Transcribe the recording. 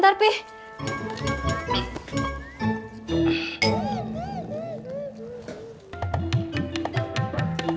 terima kasih pak